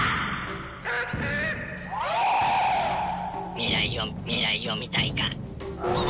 未来を未来を見たいか。